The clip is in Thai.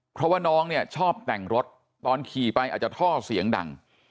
เพราะว่าน้องเนี่ยชอบแต่งรถตอนขี่ไปอาจจะท่อเสียงดัง